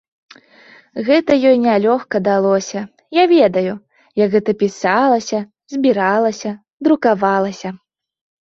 Гэта ёй нялёгка далося, я ведаю, як гэта пісалася, збіралася, друкавалася.